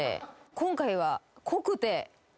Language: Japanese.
今回は。